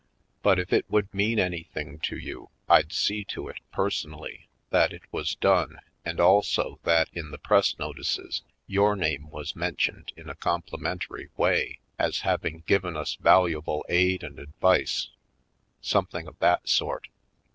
But if it would mean anything to you I'd see to it, personally, that it was done and also that in the press notices your name was mentioned in a complimentary way as having given us valuable aid and advice — something of that sort.